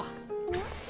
ん？